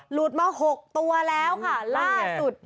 หลุดมา๖ตัวแล้วค่ะล่าสุด